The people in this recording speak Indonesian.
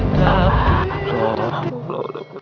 tapi waktu tak berhenti